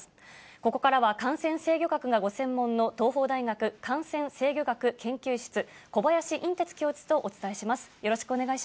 ここからは、感染制御学がご専門の東邦大学感染制御学研究室、小林寅てつ教授とお伝えします。